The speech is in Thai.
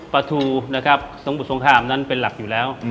พระธูสุมุดสงครามนั้นเป็นหลักอยู่แล้ว